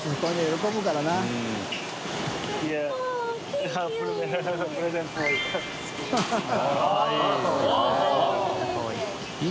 かわいい。